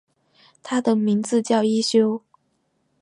他的名字叫一休。